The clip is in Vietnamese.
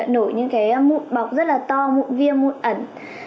nổi những cái mụn bọc rất là to mụn viêm mụn ẩn